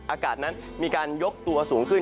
อากาศนั้นมีการยกตัวสูงขึ้น